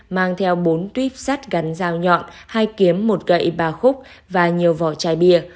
mang theo bốn tuyếp sắt gắn dao nhọn hai kiếm một gậy ba khúc và nhiều vỏ chai bia